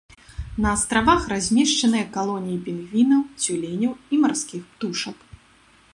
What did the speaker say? На астравах размешчаныя калоніі пінгвінаў, цюленяў і марскіх птушак.